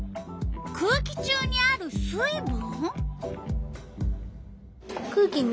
「空気中にある水分」？